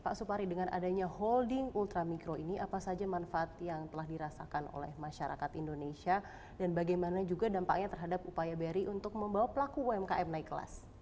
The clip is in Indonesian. pak supari dengan adanya holding ultramikro ini apa saja manfaat yang telah dirasakan oleh masyarakat indonesia dan bagaimana juga dampaknya terhadap upaya bri untuk membawa pelaku umkm naik kelas